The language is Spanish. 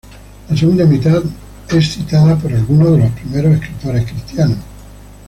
La segunda mitad de es citada por algunos de los primeros escritores cristianos.